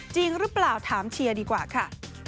จริงหรือเปล่าถามเชียร์ดีกว่าค่ะ